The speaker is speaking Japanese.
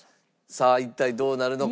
さあ一体どうなるのか？